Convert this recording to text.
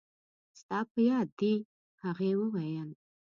ستا په یاد دي؟ هغې وویل.